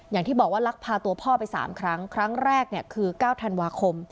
อย่างที่บอกว่าลักพาตัวพ่อไป๓ครั้งครั้งแรกคือ๙ธันวาคม